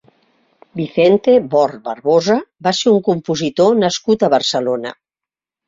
Vicente Bort Barbosa va ser un compositor nascut a Barcelona.